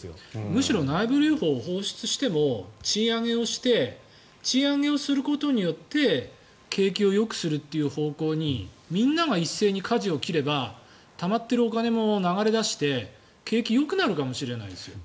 むしろ内部留保を放出しても賃上げをして賃上げをすることによって景気をよくするという方向にみんなが一斉にかじを切ればたまっているお金も流れ出して景気がよくなるかもしれないです。